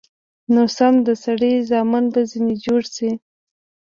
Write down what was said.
نو سم د سړي زامن به ځنې جوړ سو.